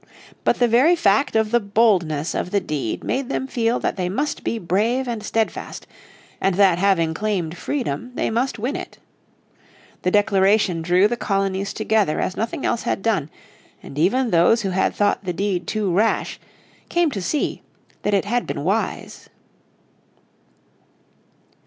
But the very fact of the boldness of the deed made them feel that they must be brave and steadfast, and that having claimed freedom they must win it. The Declaration drew the colonies together as nothing else had done, and even those who had thought the deed too rash came to see that it had been wise.